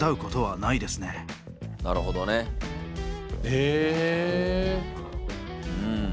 へえ。